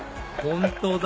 本当だ！